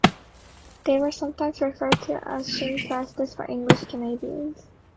They were sometimes referred to as "shin plasters" by English Canadians.